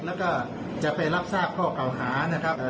แล้วก็จะไปรับทราบข้อเก่าหานะครับ